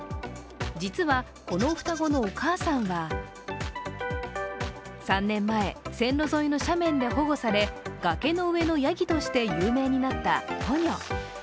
実は、この双子のお母さんは３年前、線路沿いの斜面で保護され崖の上のやぎとして有名になったポニョ。